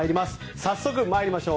早速参りましょう。